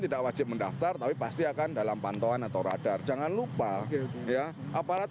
tidak wajib mendaftar tapi pasti akan dalam pantauan atau radar jangan lupa ya aparat